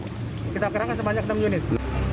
kita kerahkan sebanyak enam unit